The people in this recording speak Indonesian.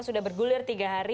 sudah bergulir tiga hari